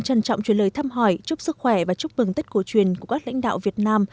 trân trọng truyền lời thăm hỏi chúc sức khỏe và chúc mừng tết cổ truyền của các lãnh đạo việt nam